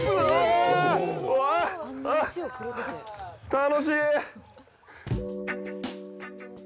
楽しい！